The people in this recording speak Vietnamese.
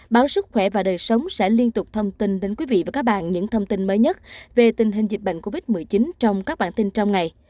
báo sức khỏe và đời sống sẽ liên tục thông tin đến quý vị và các bạn những thông tin mới nhất về tình hình dịch bệnh covid một mươi chín trong các bản tin trong ngày